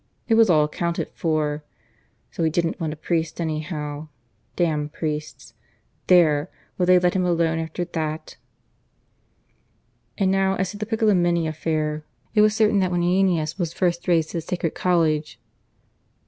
It was all accounted for. So he didn't want a priest anyhow. Damn priests! There! would they let him alone after that? ... And now as to the Piccolomini affair. It was certain that when Aeneas was first raised to the Sacred College.